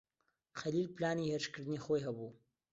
خەلیل پلانی هێرشکردنی خۆی هەبوو.